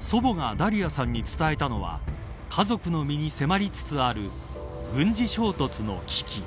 祖母がダリアさんに伝えたのは家族の身に迫りつつある軍事衝突の危機。